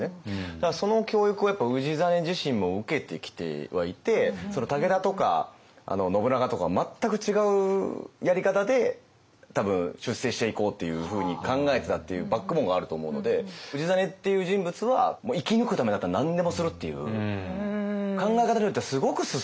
だからその教育をやっぱ氏真自身も受けてきてはいて武田とか信長とか全く違うやり方で多分出世していこうというふうに考えてたっていうバックボーンがあると思うので氏真っていう人物は考え方によってはなるほど。